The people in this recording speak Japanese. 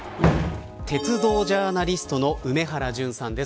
鉄道ジャーナリストの梅原淳さんです。